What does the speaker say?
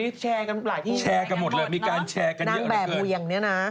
ตอนนี้แชร์กันหลายที่อย่างหมดนะนางแบบมูลอย่างนี้นะ